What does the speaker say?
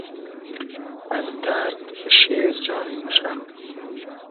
از دئرد شېر جاری موشۂ